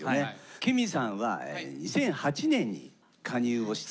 ＫＩＭＩさんは２００８年に加入をして。